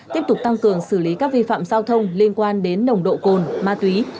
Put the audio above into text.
tiếp tục tăng cường xử lý các vi phạm giao thông liên quan đến nồng độ cồn ma túy